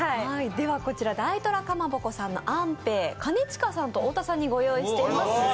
こちら大寅蒲鉾さんのあんぺい、兼近さんと太田さんにご用意しています。